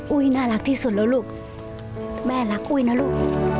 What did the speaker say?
น่ารักที่สุดแล้วลูกแม่รักอุ้ยนะลูก